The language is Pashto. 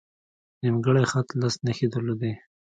نیمګړی خط لس نښې درلودې.